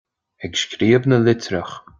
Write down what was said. Ag scríobh na litreach.